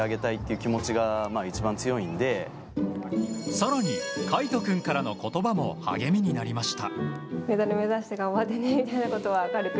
更に、海杜君からの言葉も励みになりました。